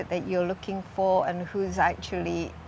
apa yang anda cari